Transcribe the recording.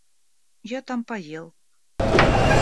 Я там поел.